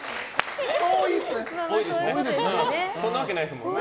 多いですね。